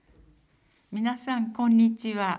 皆さんこんにちは。